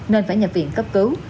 nên phải nhập viện cấp cứu